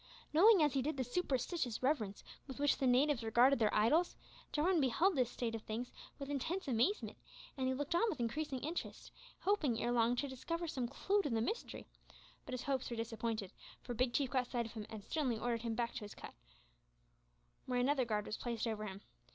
Knowing, as he did, the superstitious reverence with which the natives regarded their idols, Jarwin beheld this state of things with intense amazement, and he looked on with increasing interest, hoping, ere long, to discover some clue to the mystery, but his hopes were disappointed, for Big Chief caught sight of him and sternly ordered him back to his hut, where another guard was placed over him.